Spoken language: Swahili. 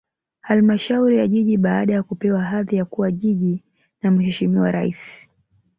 Halmashauri ya Jiji baada ya kupewa hadhi ya kuwa Jiji na Mheshimiwa Rais